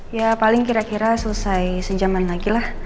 ya paling kira kira selesai sejaman lagi lah